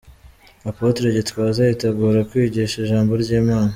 Apotre Gitwaza yitegura kwigisha ijambo ry'Imana.